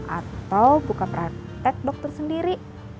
atau buka praktek dokter sendiri